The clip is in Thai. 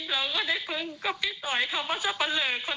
เราก็ได้พึ่งกับพี่ต๋อยคำว่าสปะเลิกคนที่เรากลัว